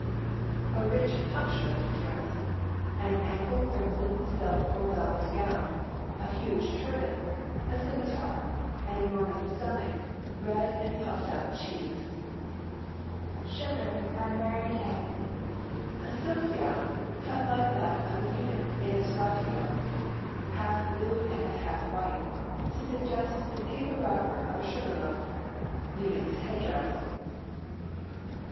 BREAD. A rich pasha's dress. An ample crimson silk or velvet gown. A huge turban. A scimitar. An enormous stomach, red and puffed out cheeks. SUGAR. A silk gown, cut like that of a eunuch in a seraglio, half blue and half white, to suggest the paper wrapper of a sugar loaf. Eunuch's headdress.